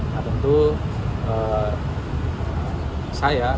nah tentu saya